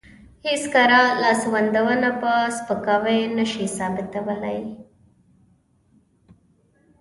هېڅ کره لاسوندونه په سپکاوي نشي ثابتولی.